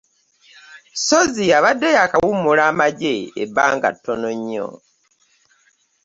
Ssozi abadde yaakawummula amagye ebbanga ttono nnyo